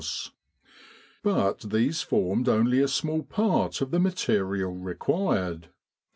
But these formed only a small part of the material required.